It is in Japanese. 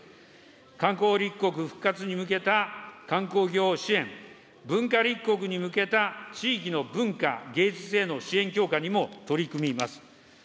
観光立国復活に向けた観光業支援、文化立国に向けた地域の文化、芸術への支援強化にも取り組みます。